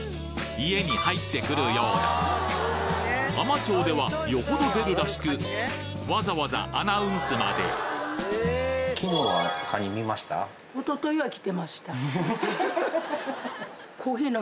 家に入ってくるようだ海士町ではよほど出るらしくわざわざアナウンスまでフフフ。